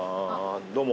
どうも。